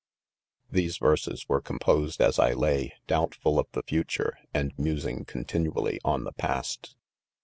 6 These verses were composed as I lay, doubtful of the future, and musing continually on the past.